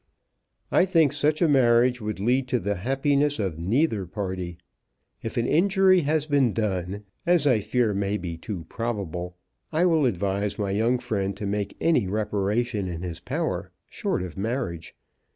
"I think such a marriage would lead to the happiness of neither party. If an injury has been done, as I fear may be too probable, I will advise my young friend to make any reparation in his power short of marriage.